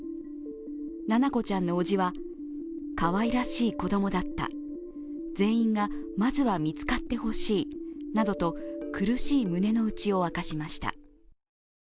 七菜子ちゃんのおじはかわいらしい子供だった全員がまずは見つかってほしいなどと苦しい胸の内を明かしました。